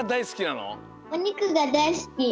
おにくがだいすき！